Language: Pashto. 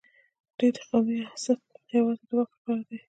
د دوی قومي حسد یوازې د واک لپاره دی.